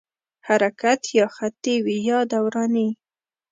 حرکت یا خطي وي یا دوراني.